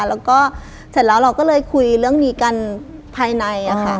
แล้วก็เสร็จแล้วเราก็เลยคุยเรื่องนี้กันภายในค่ะ